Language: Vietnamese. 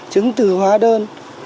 chứng từ hóa đơn